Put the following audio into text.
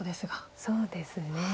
そうですね。